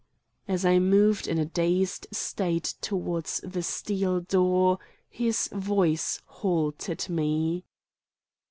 As I moved in a dazed state toward the steel door, his voice halted me.